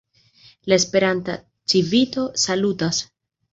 La Esperanta Civito salutas.